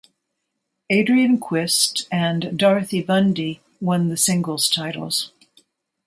Adrian Quist and Dorothy Bundy won the singles titles.